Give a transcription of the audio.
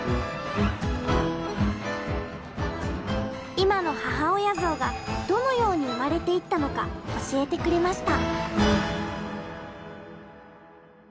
今の母親像がどのように生まれていったのか教えてくれました。